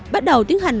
bắt đầu tiến hành